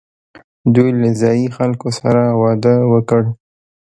دوی له ځايي خلکو سره واده وکړ